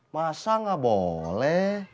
masa nggak boleh